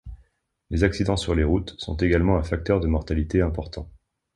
Les accidents sur les routes sont également un facteur de mortalité important.